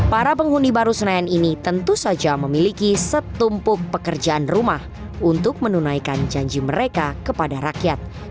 para penghuni baru senayan ini tentu saja memiliki setumpuk pekerjaan rumah untuk menunaikan janji mereka kepada rakyat